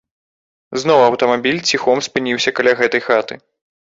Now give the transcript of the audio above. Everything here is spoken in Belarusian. Зноў аўтамабіль ціхом спыніўся каля гэтай хаты.